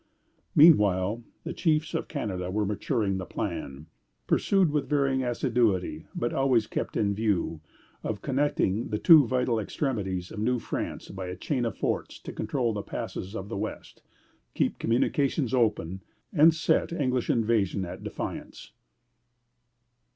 Meanwhile the chiefs of Canada were maturing the plan pursued with varying assiduity, but always kept in view of connecting the two vital extremities of New France by a chain of forts to control the passes of the West, keep communications open, and set English invasion at defiance.